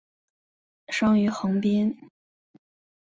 生于横滨。